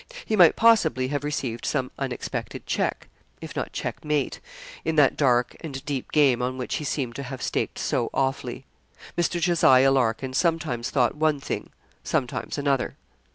He might possibly have received some unexpected check if not checkmate, in that dark and deep game on which he seemed to have staked so awfully. Mr. Jos. Larkin sometimes thought one thing, sometimes another.